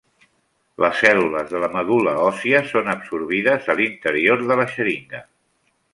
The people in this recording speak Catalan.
Les cèl·lules de la medul·la òssia són absorbides a l'interior de la xeringa.